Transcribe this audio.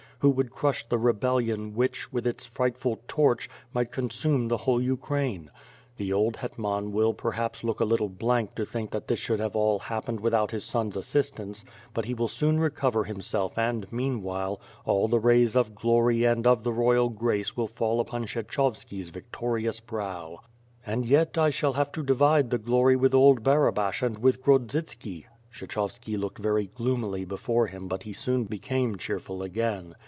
Who would crush the rebellion, which, with its frighful torch, might consume the whole Ukraine? The old hetman will perhaps look a little blank to think 11 J 62 WiT^ PI RE AI^D SWOkD. that this should have all happened without his son's assist ance, but he will soon recover himself and, meanwhile, all the rays of glory and of the royal grace will fall upon Kshe choski's victorous brow." And yet 1 shall have to divide the glory with old Bara bash and with Grodzitski! Kshechovski looked very gloomily before him but he soon became cheerful again.